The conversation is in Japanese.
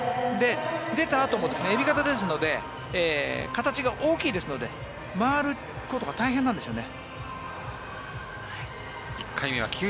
出たあともエビ型ですので形が大きいですので回ることが大変なんですよね。